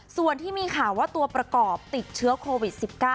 ส่วนที่มีข่าวว่าตัวประกอบติดเชื้อโควิด๑๙